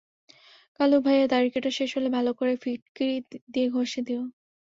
কালু ভাইয়া, দাড়ি কাটা শেষ হলে ভালো করে ফিটকিরি দিয়ে ঘষে দিও।